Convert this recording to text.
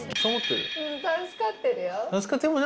うん助かってるよ。